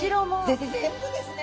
ぜぜ全部ですね。